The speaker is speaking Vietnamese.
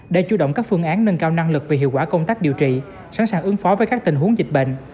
để chủ động các phương án nâng cao năng lực về hiệu quả công tác điều trị sẵn sàng ứng phó với các tình huống dịch bệnh